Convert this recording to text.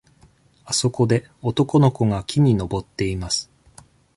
あそこで男の子が木に登っています。